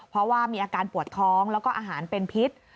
เพราะว่ามีอาการปวดท้องแล้วก็อาหารเป็นพิษ